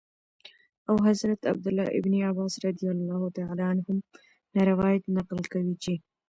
او حضرت عبدالله بن عباس رضي الله تعالى عنهم نه روايت نقل كوي چې :